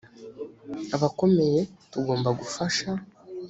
abakomeye tugomba gufasha